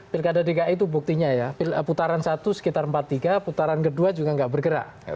pilkada dki itu buktinya ya putaran satu sekitar empat tiga putaran kedua juga nggak bergerak